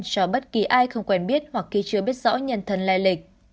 cho bất kỳ ai không quen biết hoặc khi chưa biết rõ nhân thân lai lịch